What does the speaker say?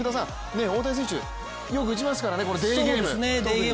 大谷選手、よく打ちますからね、デーゲーム。